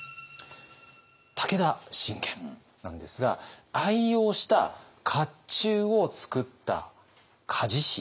武田信玄なんですが愛用した甲冑をつくった鍛冶師。